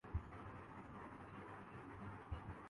شاہد فریدی نے table tennis کھلاڑی مہک انور کے علاج کا اعلان کردیا